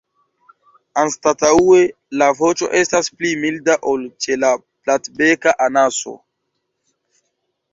Anstataŭe la voĉo estas pli milda ol ĉe la Platbeka anaso.